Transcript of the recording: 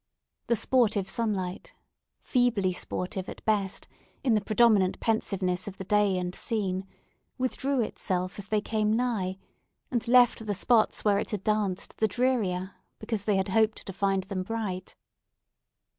The sportive sunlight—feebly sportive, at best, in the predominant pensiveness of the day and scene—withdrew itself as they came nigh, and left the spots where it had danced the drearier, because they had hoped to find them bright.